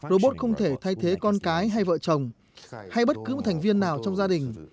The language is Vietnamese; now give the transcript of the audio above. robot không thể thay thế con cái hay vợ chồng hay bất cứ một thành viên nào trong gia đình